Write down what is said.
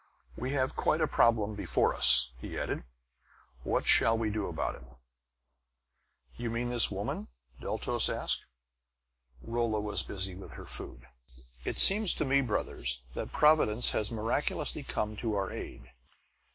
We have quite a problem before us," he added. "What shall we do about it?" "You mean this woman?" Deltos asked. Rolla was busy with her food. "It seems to me, brothers, that Providence has miraculously come to our aid.